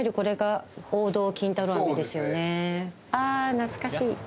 懐かしい。